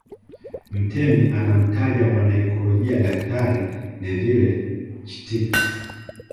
Mtemi anamtaja mwanaikolojia Daktari Neville Chittick